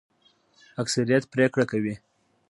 اکثریت پریکړه کوي